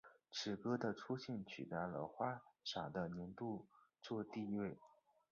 此歌的出现取替了花洒的年度作地位。